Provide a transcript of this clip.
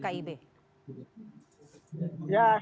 ya saya rasa itu benar